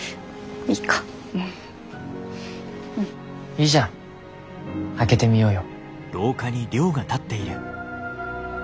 いいじゃん開けてみようよ。